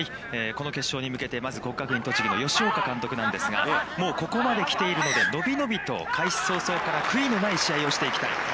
◆この決勝に向けて、国学院栃木の吉岡監督なんですが、もうここまで来ているので、伸び伸びと開始早々から悔いのない試合をしていきたい。